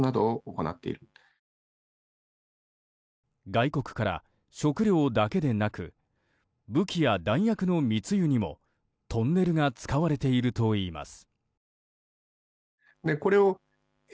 外国から食料だけでなく武器や弾薬の密輸にもトンネルが使われているといいます。